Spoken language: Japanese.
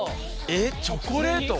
えっチョコレート？